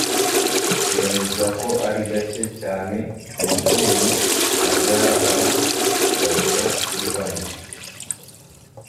yemeza ko ari gake cyane umubyeyi abyara aba bagera kuri bane